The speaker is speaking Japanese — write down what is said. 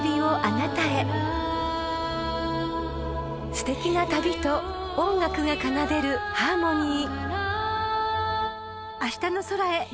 ［すてきな旅と音楽が奏でるハーモニー］